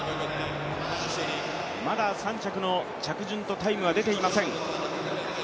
まだ３着の着順とタイムは出ていません。